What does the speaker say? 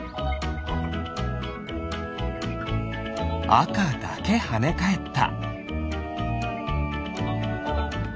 あかだけはねかえった。